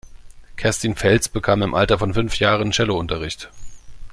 Kerstin Feltz bekam im Alter von fünf Jahren Cellounterricht.